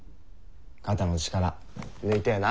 肩の力抜いてえな。